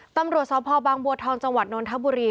ตำรวจสพบางบัวทองจังหวัดนนทบุรี